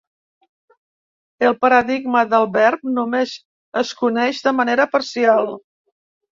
El paradigma del verb només es coneix de manera parcial.